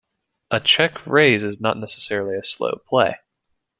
A check-raise is not necessarily a slow play.